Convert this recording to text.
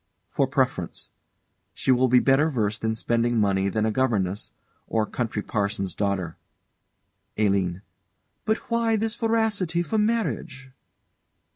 For preference. She will be better versed in spending money than a governess, or country parson's daughter. ALINE. But why this voracity for marriage?